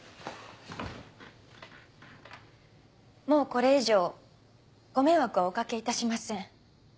もうこれ以上ご迷惑はお掛けいたしません。